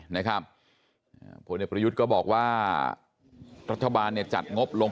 นะครับผลเอกประยุทธ์ก็บอกว่ารัฐบาลเนี่ยจัดงบลง